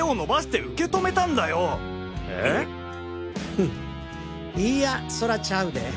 フッいやそらちゃうで！